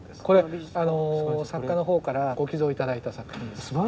これ作家のほうからご寄贈頂いた作品です。